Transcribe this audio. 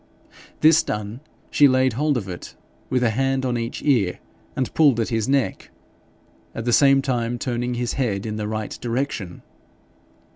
This done, she laid hold of it, with a hand on each ear, and pulled at his neck, at the same time turning his head in the right direction.